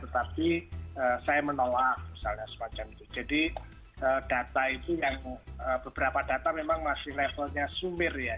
tetapi saya menolak misalnya semacam itu jadi data itu yang beberapa data memang masih levelnya sumir ya